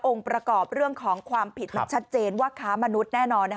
ประกอบเรื่องของความผิดมันชัดเจนว่าค้ามนุษย์แน่นอน